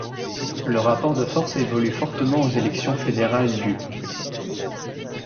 Le rapport de forces évolue fortement aux élections fédérales du.